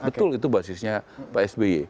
betul itu basisnya pak sby